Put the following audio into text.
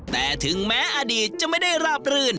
แต่ถึงแม้อดีตจะไม่ได้ราบรื่น